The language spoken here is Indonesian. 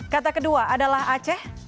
kata kedua adalah aceh